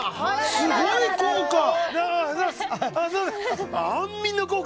すごい効果。